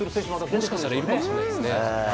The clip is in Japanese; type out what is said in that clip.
もしかしたらいるかもしれないですよね。